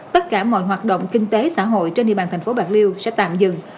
tất cả mọi hoạt động kinh tế xã hội trên địa bàn thành phố bạc liêu sẽ tạm dừng